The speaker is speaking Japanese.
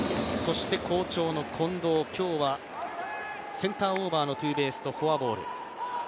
好調の近藤、今日はセンターオーバーのツーベースとフォアボール。